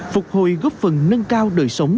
phục hồi góp phần nâng cao đời sống